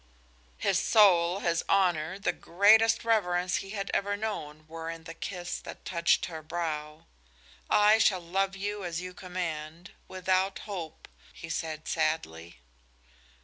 His soul, his honor, the greatest reverence he had ever known were in the kiss that touched her brow. "I shall love you as you command without hope," he said, sadly.